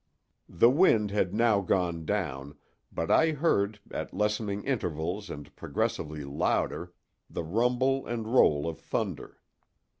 The wind had now gone down, but I heard, at lessening intervals and progressively louder, the rumble and roll of thunder.